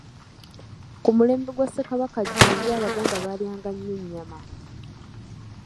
Ku mulembe gwa Ssekabaka Jjunju Abaganda baalyanga nnyo ennyama.